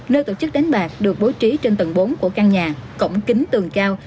nơi tổ chức đánh bạc được bố trí trên tầng bốn của căn nhà cổng kính tường cao